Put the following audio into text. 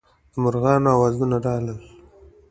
د مارغانو اوازونه راغلل.